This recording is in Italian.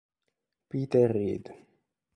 Peter Reed